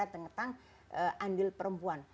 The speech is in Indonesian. tentang andil perempuan